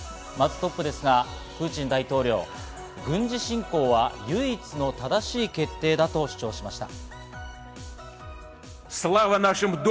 まずトップですが、プーチン大統領、軍事侵攻は唯一の正しい決定だと主張しました。